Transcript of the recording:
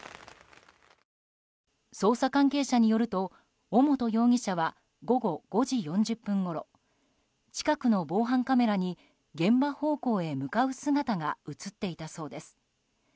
捜査関係者によると尾本容疑者は午後５時４０分ごろ近くの防犯カメラに現場方向へ向かう姿が映っていたそうです。